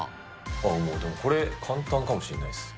もう、でもこれ、簡単かもしれないです。